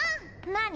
なに？